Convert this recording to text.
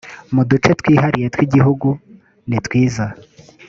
mu duce twihariye tw igihugu nitwiza